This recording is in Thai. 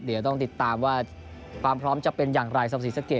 เดี๋ยวต้องติดตามว่าความพร้อมจะเป็นอย่างไรสำหรับศรีสะเกด